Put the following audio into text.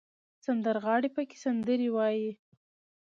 سندرغاړي پکې سندرې وايي.